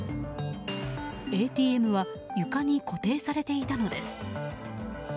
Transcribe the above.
ＡＴＭは床に固定されていたのです。